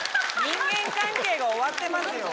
人間関係が終わってますよ。